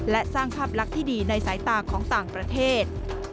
และสร้างภาพลักษณ์ที่ดีในสายตาของต่างประเทศ